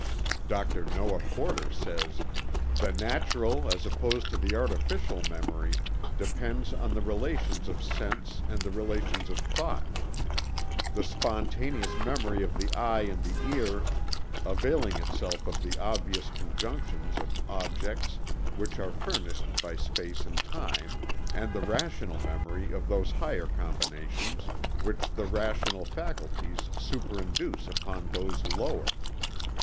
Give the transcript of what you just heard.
Dr. Noah Porter says: "The natural as opposed to the artificial memory depends on the relations of sense and the relations of thought, the spontaneous memory of the eye and the ear availing itself of the obvious conjunctions of objects which are furnished by space and time, and the rational memory of those higher combinations which the rational faculties superinduce upon those lower.